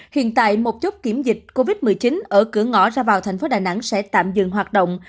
hiện tại một chốt kiểm dịch covid một mươi chín ở cửa ngõ ra vào thành phố đà nẵng sẽ tạm dừng hoạt động